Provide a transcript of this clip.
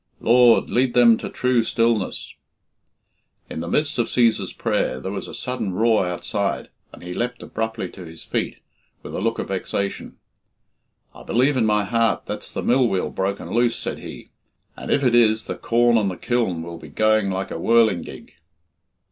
Lord, lead them to true stillness " In the midst of Cæsar's prayer there was a sudden roar outside, and he leapt abruptly to his feet with a look of vexation. "I believe in my heart that's the mill wheel broken loose," said he, "and if it is, the corn on the kiln will be going like a whirlingig."